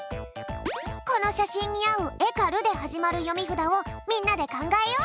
このしゃしんにあう「え」か「る」ではじまるよみふだをみんなでかんがえよう。